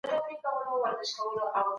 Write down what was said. بې نظمي وخت وژني.